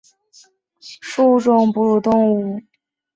长耳攀鼠属等之数种哺乳动物。